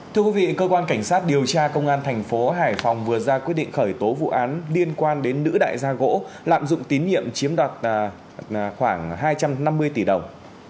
thưa quý vị cơ quan cảnh sát điều tra công an thành phố hải phòng vừa ra quyết định khởi tố vụ án liên quan đến nữ đại gia gỗ lạm dụng tín nhiệm chiếm đoạt khoảng hai trăm năm mươi tỷ đồng